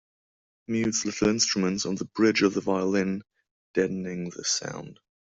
Mutes little instruments on the bridge of the violin, deadening the sound.